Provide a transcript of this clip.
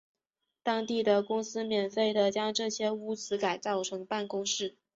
当地的公司免费地将这些屋子改造成办公室。